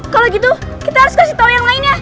kalo gitu kita harus kasih tau yang lainnya